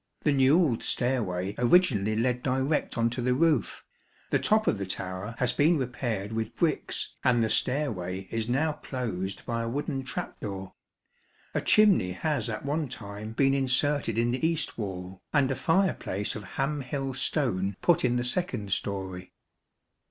The newelled stairway originally led direct on to the roof; the top of the tower has been repaired with bricks and the stairway is now closed by a wooden trap door. A chimney has at one time been inserted in the east wall, and a fireplace of Ham Hill stone put in the second storey.